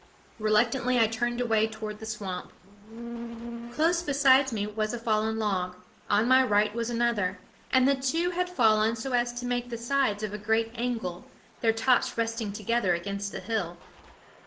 Reluctantly I turned away toward the swamp. Close beside me was a fallen log; on my right was another; and the two had fallen so as to make the sides of a great angle, their tops resting together against the hill.